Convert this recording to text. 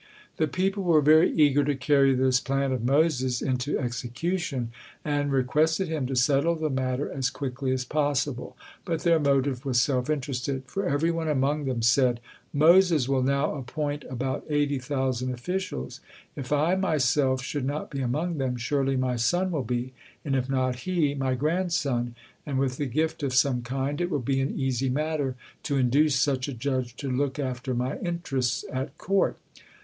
The people were very eager to carry this plan of Moses into execution, and requested him to settle the matter as quickly as possible. But their motive was self interested, for every one among them said: "Moses will now appoint about eighty thousand officials. If I myself should not be among them, surely my son will be, and if not he, my grandson, and with a gift of some kind it will be an easy matter to induce such a judge to look after my interests at court."